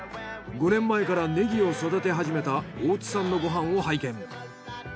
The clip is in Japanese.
５年前からネギを育て始めた大津さんのご飯を拝見。